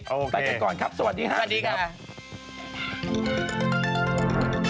โอเคสวัสดีครับสวัสดีค่ะสวัสดีครับสวัสดีค่ะ